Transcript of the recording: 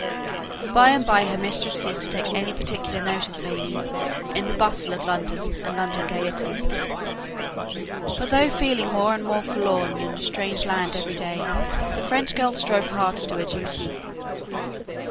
By and by her mistress ceased to take any particular notice of AimÄe in the bustle of London and London gaiety; but though feeling more and more forlorn in a strange land every day, the French girl strove hard to do her duty.